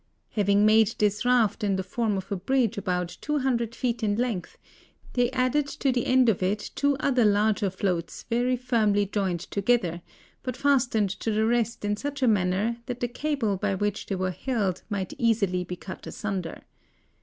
Having made this raft in the form of a bridge about two hundred feet in length, they added to the end of it two other larger floats very firmly joined together, but fastened to the rest in such a manner that the cable by which they were held might easily be cut asunder.